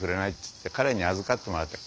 って彼に預かってもらって。